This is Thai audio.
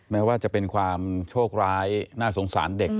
แม้ว่าจะเป็นความโชคร้ายน่าสงสารเด็ก